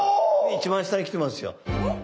一番下に来てますよ。